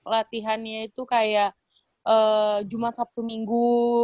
latihannya itu kayak jumat sabtu minggu